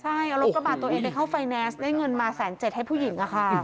ใช่เอารถกระบาดตัวเองไปเข้าไฟแนนซ์ได้เงินมา๑๗๐๐ให้ผู้หญิง